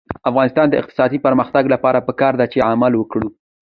د افغانستان د اقتصادي پرمختګ لپاره پکار ده چې عمل وکړو.